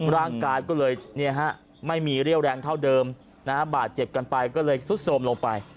ร่างกายก็เลยไม่มีเรี่ยวแรงเท่าเดิมบาดเจ็บกันไปก็เลยซุดโทรมลงไป